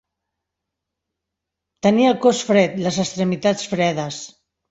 Tenir el cos fred, les extremitats fredes.